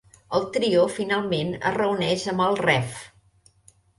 El trio finalment es reuneix amb el Rev.